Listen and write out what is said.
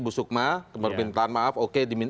bu sukma kemudian minta maaf oke